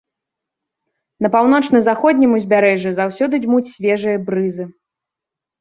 На паўночна-заходнім узбярэжжы заўсёды дзьмуць свежыя брызы.